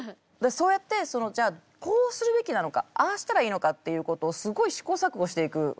そうやってじゃあこうするべきなのかああしたらいいのかっていうことをすごい試行錯誤していくわけですよね。